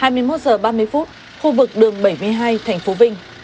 hai mươi một giờ ba mươi phút khu vực đường bảy mươi hai tp vinh